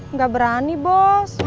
nggak berani bos